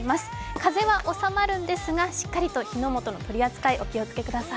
風は収まるんですがしっかりと火の元の取り扱い、お気をつけください。